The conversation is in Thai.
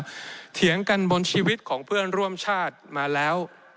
เถียงกันบนชีวิตของเพื่อนร่วมชาติมาแล้ว